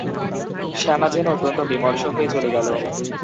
শ্যামা যেন অত্যন্ত বিমর্ষ হয়ে চলে গেল।